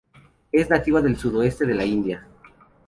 Es nativa del sudoeste de la India.